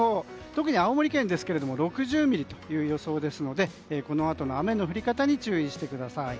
特に青森県ですが６０ミリという予想ですのでこのあとの雨の降り方に注意してください。